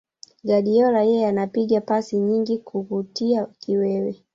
Guardiola yeye anapiga pasi nyingi kukutia kiwewe